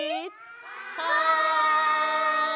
はい！